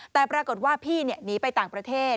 แต่ปรากฏว่าพี่หนีไปต่างประเทศ